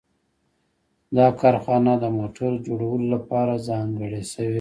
دا کارخانه د موټر جوړولو لپاره ځانګړې شوې وه